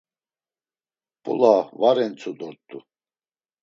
Mp̌ula var entsu dort̆u.